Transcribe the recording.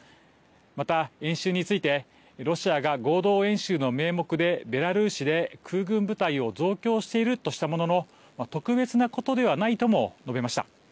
また、演習についてロシアが合同演習の名目でベラルーシで空軍部隊を増強しているとしたものの特別なことではないとも述べました。